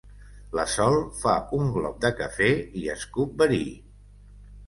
La Sol fa un glop de cafè i escup verí.